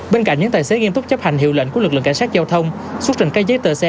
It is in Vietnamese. bên cạnh những tài xế nghiêm túc chấp hành hiệu lệnh của lực lượng cảnh sát giao thông xuất trình các giấy tờ xe